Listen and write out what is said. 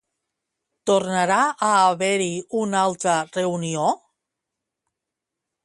Tornarà a haver-hi una altra reunió?